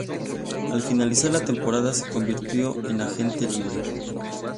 Al finalizar la temporada se convirtió en agente libre.